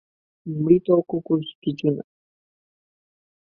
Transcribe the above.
মৃত কুকুর কিছু না।